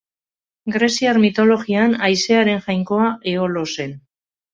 Greziar Mitologian, haizearen jainkoa Eolo zen.